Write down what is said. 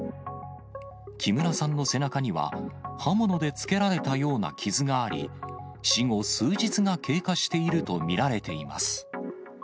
木村さんの背中には、刃物でつけられたような傷があり、死後数日が経過していると見られています。